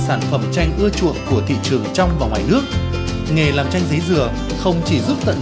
xin chào tạm biệt quý vị và các bạn